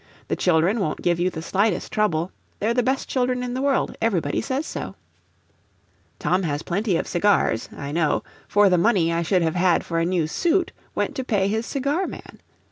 The children won't give you the slightest trouble; they're the best children in the world everybody says so. "Tom has plenty of cigars, I know, for the money I should have had for a new suit went to pay his cigar man.